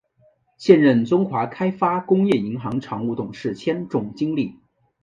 现任中华开发工业银行常务董事兼总经理。